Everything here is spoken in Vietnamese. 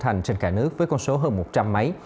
thành trên cả nước với con số hơn một trăm linh máy